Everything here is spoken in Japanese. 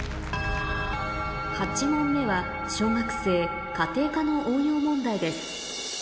８問目は小学生家庭科の応用問題です